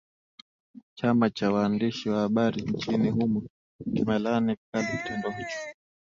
chama cha waandishi wa habari nchini humo kimelaani vikali kitendo hicho